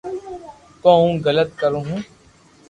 ڪو ھون علط ڪرو ھون